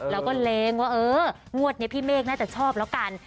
แล้วก็เลงว่าเอองวดนี้พี่เมฆน่าจะชอบแล้วกัน